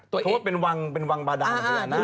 หรือเป็นวังบาดาร์